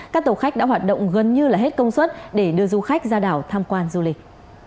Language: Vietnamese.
các tàu khách đã hoạt động gần như là hết công suất để đưa du khách ra đảo tham quan du lịch